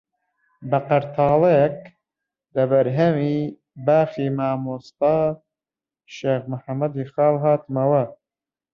بە قەرتاڵەیەک لە بەرهەمی باخی مامۆستا شێخ محەممەدی خاڵ هاتمەوە